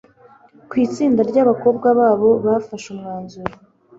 Ku itsinda ryabakobwa babo bafashe umwanzuro